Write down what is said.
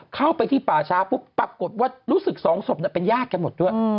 เข้าไปที่ป่าช้าปุ๊บปรากฏว่ารู้สึกสองศพเป็นญาติกันหมดด้วย